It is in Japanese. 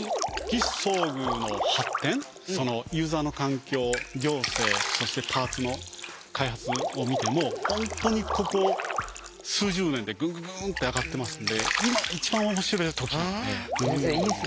義肢装具の発展そのユーザーの環境行政そしてパーツの開発を見ても本当にここ数十年でグングングンって上がってますんで今一番面白い時なんで。